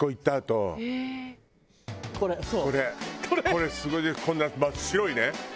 これこんな真っ白いね